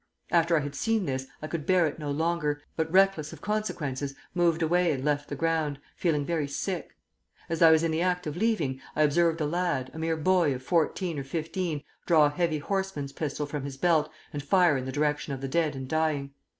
After I had seen this, I could bear it no longer, but, reckless of consequences, moved away and left the ground, feeling very sick. As I was in the act of leaving, I observed a lad, a mere boy of fourteen or fifteen, draw a heavy horseman's pistol from his belt and fire in the direction of the dead and dying.